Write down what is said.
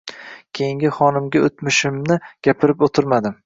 Keyingi xotinimga o`tmishimni gapirib o`tirmadim